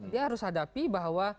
dia harus hadapi bahwa